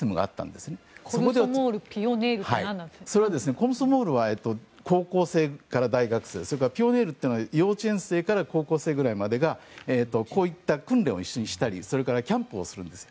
それはコムソモールは高校生から大学生ピオネールというのは幼稚園から高校生がこうやった訓練を一緒にしたりキャンプをするんです